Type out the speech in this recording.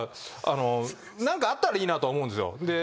何かあったらいいなとは思うんですよ。